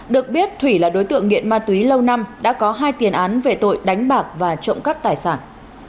được biết thủy là đối tượng nghiện ma túy lâu năm đã có hai tiền án về tội đánh bạc và trộm cắp tài sản